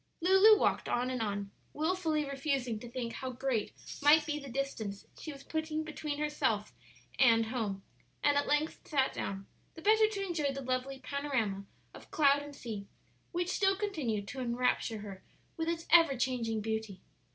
Lulu walked on and on, wilfully refusing to think how great might be the distance she was putting between herself and home, and at length sat down, the better to enjoy the lovely panorama of cloud and sea which still continued to enrapture her with its ever changing beauty.